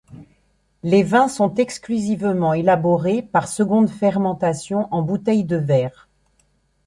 Les vins sont exclusivement élaborés par seconde fermentation en bouteilles de verre.